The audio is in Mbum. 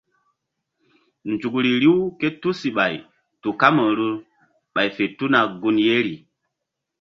Nzukri riw ké tusiɓay tu kamaru ɓay fe tuna gun yeri.